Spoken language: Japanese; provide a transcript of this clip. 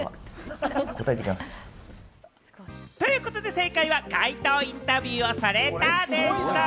正解は街頭インタビューをされたでした。